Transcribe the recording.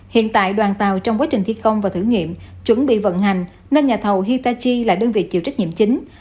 hiện tại đoàn tàu trong quá trình thi công và thử nghiệm chuẩn bị vận hành nên nhà thầu hitachi là đơn vị chịu trách nhiệm chính